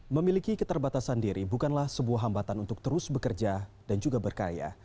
memiliki keterbatasan diri bukanlah sebuah hambatan untuk terus bekerja dan juga berkaya